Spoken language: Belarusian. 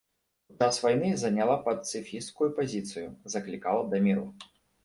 У час вайны заняла пацыфісцкую пазіцыю, заклікала да міру.